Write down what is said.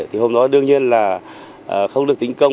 thì hôm đó đương nhiên là không được tính công